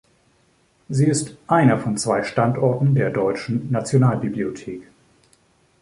Sie ist einer von zwei Standorten der Deutschen Nationalbibliothek.